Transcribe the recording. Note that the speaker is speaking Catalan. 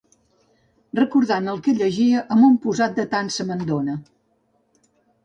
Recordant el que llegia amb un posat de tant-se-me'n-dóna